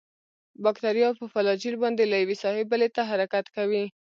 باکتریا په فلاجیل باندې له یوې ساحې بلې ته حرکت کوي.